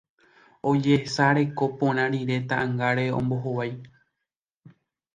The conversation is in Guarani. ojesareko porã rire ta'ãngáre ombohovái